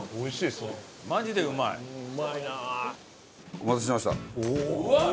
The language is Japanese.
お待たせしました。